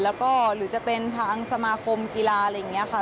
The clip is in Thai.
แล้วก็หรือจะเป็นทางสมาคมกีฬาอะไรอย่างนี้ค่ะ